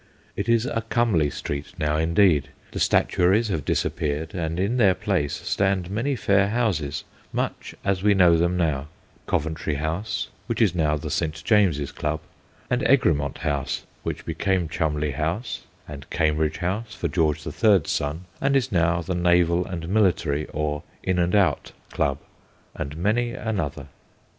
It is a comely street now, indeed. The statuaries have disappeared, and in their place stand many fair houses, much as we know them now Coventry House, which is now the St. James's Club ; and Egremont House, which be came Cholmondeley House, and Cambridge House for George the Third's son, and is now the Naval and Military or ' In and Out ' Club, and many another.